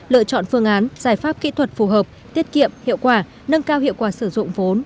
lựa chọn phương án giải pháp kỹ thuật phù hợp tiết kiệm hiệu quả nâng cao hiệu quả sử dụng vốn